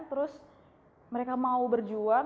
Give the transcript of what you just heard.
terus mereka mau berjuang